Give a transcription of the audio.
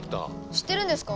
知ってるんですか？